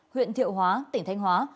huyện thiệu hóa tỉnh thanh hóa